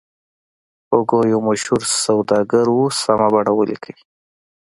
هوګو یو مشهور سوداګر و سمه بڼه ولیکئ.